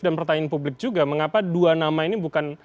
dan pertanyaan publik juga mengapa dua nama ini bukan